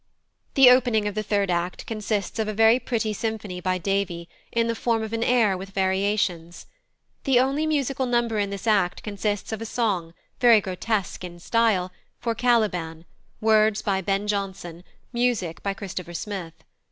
The opening of the third act consists of a very pretty symphony by Davy, in the form of an air with variations. The only musical number in this act consists of a song, very grotesque in style, for Caliban, words by Ben Jonson, music by Christopher Smith.